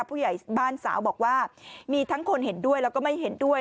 ผู้ใหญ่บ้านสาวบอกว่ามีทั้งคนเห็นด้วยแล้วก็ไม่เห็นด้วย